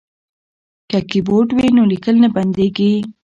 که کیبورډ وي نو لیکل نه بندیږي.